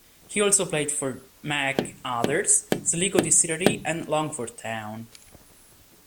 He also played for McArthurs, Sligo Distillery and Longford Town.